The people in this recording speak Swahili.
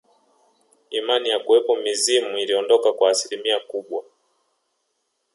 Imani ya kuwapo mizimu iliondoka kwa asilimia kubwa